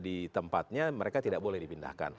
di tempatnya mereka tidak boleh dipindahkan